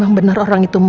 aduh aduh aduh